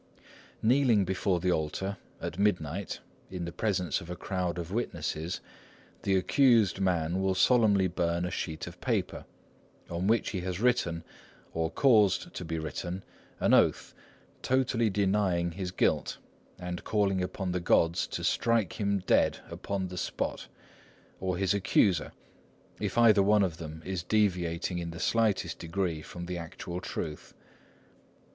Kneeling before the altar, at midnight, in the presence of a crowd of witnesses, the accused man will solemnly burn a sheet of paper, on which he has written, or caused to be written, an oath, totally denying his guilt, and calling upon the gods to strike him dead upon the spot, or his accuser, if either one is deviating in the slightest degree from the actual truth.